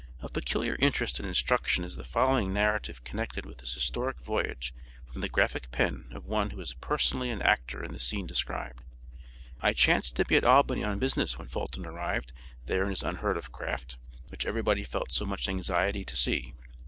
Of peculiar interest and instruction is the following narrative connected with this historic voyage from the graphic pen of one who was personally an actor in the scene described: "I chanced to be at Albany on business when Fulton arrived there in his unheard of craft, which everybody felt so much anxiety to see.